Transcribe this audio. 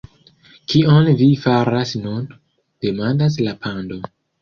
"Kion vi faras nun?" demandas la pando.